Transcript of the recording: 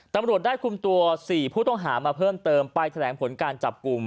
ตำรวจได้คุมตัว๔ผู้ต้องหามาเพิ่มเติมไปแถลงผลการจับกลุ่ม